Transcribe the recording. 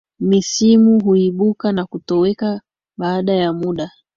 Misimu huibuka na kutoweka baada ya muda.